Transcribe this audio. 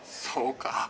そうか？